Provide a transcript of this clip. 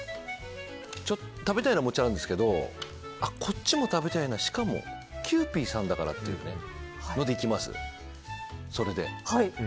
食べたいのはもちろんあるんですけどこっちも食べたいなしかもキユーピーさんだからっていうのでいきます。